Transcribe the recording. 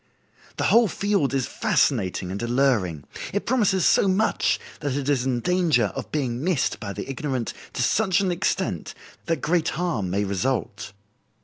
The whole field is fascinating and alluring. It promises so much that it is in danger of being missed by the ignorant to such an extent that great harm may result.